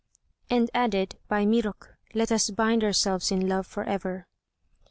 And added, "By Mirok, let us bind ourselves in love forever."